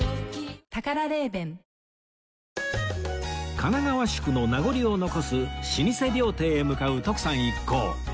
神奈川宿の名残を残す老舗料亭へ向かう徳さん一行